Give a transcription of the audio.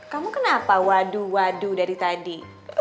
kamu kenapa waduh waduh dari tadi